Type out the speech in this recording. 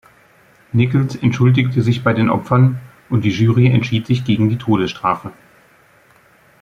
Nichols entschuldigte sich bei den Opfern, und die Jury entschied sich gegen die Todesstrafe.